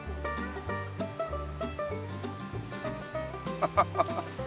ハハハハ。